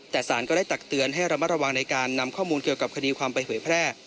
แต่สารก็ได้ตักเตือนให้ระมัดระวังในการนำข้อมูลเกี่ยวกับคดีความไปเผยแพร่